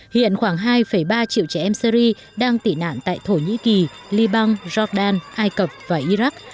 hiện khoảng hai ba triệu trẻ em syri đang tị nạn tại thổ nhĩ kỳ liban jordan ai cập và iraq